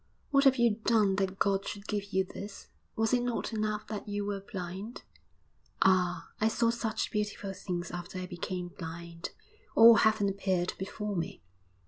What have you done that God should give you this? Was it not enough that you were blind?' 'Ah, I saw such beautiful things after I became blind all heaven appeared before me.'